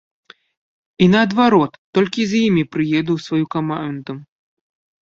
І наадварот, толькі з імі прыеду ў сваю каманду.